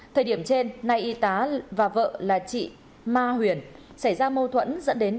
thời điểm trên nay y tá và vợ là chị ma huyền xảy ra mâu thuẫn dẫn đến